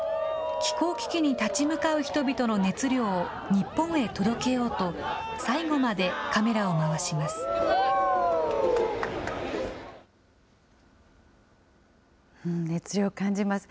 気候危機に立ち向かう人々の熱量を日本へ届けようと、最後までカメラを回します。